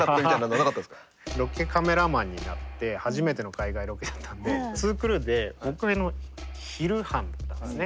ロケカメラマンになって初めての海外ロケだったんで２クルーで僕昼班だったんですね。